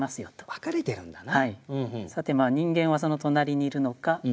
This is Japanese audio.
分かれてるんだな。